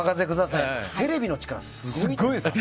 テレビの力すごいですよ。